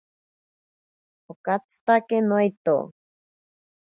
Okatsitake noito.